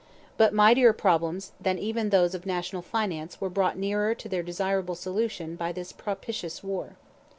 But mightier problems than even those of national finance were brought nearer to their desirable solution by this propitious war.